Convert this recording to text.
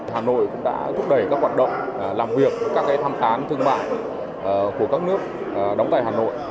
hà nội cũng đã thúc đẩy các hoạt động làm việc các tham tán thương mại của các nước đóng tại hà nội